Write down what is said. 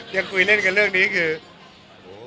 ยังคุยเล่นความกันเรื่องนี้คือ